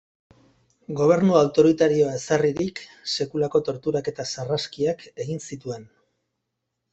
Gobernu autoritarioa ezarririk, sekulako torturak eta sarraskiak egin zituen.